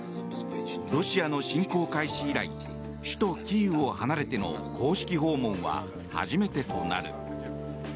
ロシアの侵攻開始以来首都キーウを離れての公式訪問は初めてとなる。